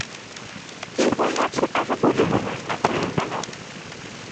কী হইয়াছে তাহা বলিব না, এখনই পালাও।